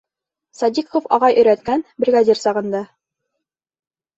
Садиҡов ағай өйрәткән, бригадир сағында.